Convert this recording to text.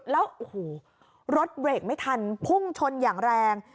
แล้วโอ้โหรถเบรกไม่ทันพุ่งชนอย่างแรง